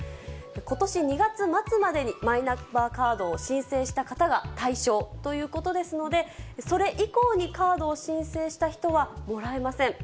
ことし２月末までにマイナンバーカードを申請した方が対象ということですので、それ以降にカードを申請した人はもらえません。